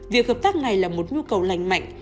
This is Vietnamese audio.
việc hợp tác này là một nhu cầu lành mạnh